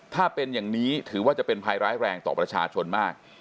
ถ้าเป็นอย่างนี้ถือว่าจะเป็นภัยร้ายแรงต่อประชาชนมาก